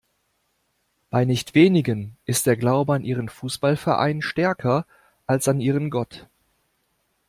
Bei nicht wenigen ist der Glaube an ihren Fußballverein stärker als an ihren Gott.